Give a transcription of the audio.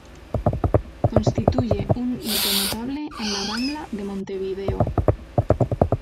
Constituye un hito notable en la Rambla de Montevideo.